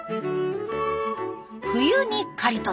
冬に刈り取り